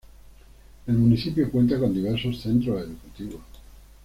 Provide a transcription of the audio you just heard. El municipio cuenta con diversos centros educativos.